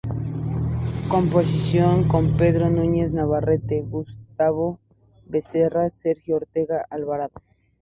Composición con Pedro Núñez Navarrete, Gustavo Becerra, Sergio Ortega Alvarado.